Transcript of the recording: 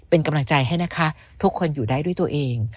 เป็นกำลังใจให้นะคะทุกคนอยู่ได้ด้วยตัวเอง